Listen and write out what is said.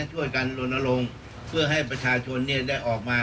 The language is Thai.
ช่วยกันลนลงเพื่อให้ประชาชนได้ออกมา